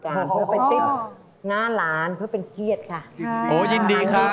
เจ็บหน้าหลานเพื่อเป็นเกียจค่ะโอ้ยยินดีครับ